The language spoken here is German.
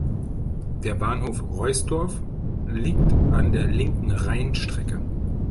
Der Bahnhof "Roisdorf" liegt an der linken Rheinstrecke.